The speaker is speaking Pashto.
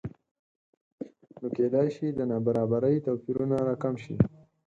نو کېدای شي د نابرابرۍ توپیرونه راکم شي